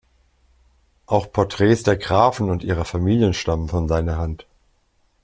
Auch Porträts der Grafen und ihrer Familien stammen von seiner Hand.